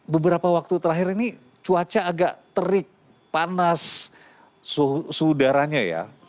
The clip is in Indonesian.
beberapa waktu terakhir ini cuaca agak terik panas suhu udaranya ya